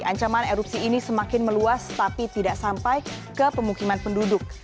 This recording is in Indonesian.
ancaman erupsi ini semakin meluas tapi tidak sampai ke pemukiman penduduk